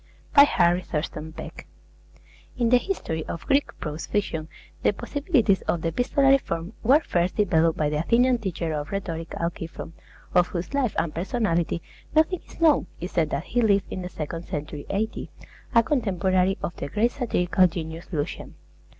BY HARRY THURSTON PECK In the history of Greek prose fiction the possibilities of the epistolary form were first developed by the Athenian teacher of rhetoric, Alciphron, of whose life and personality nothing is known except that he lived in the second century A.D., a contemporary of the great satirical genius Lucian.